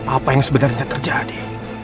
apa yang sebenarnya terjadi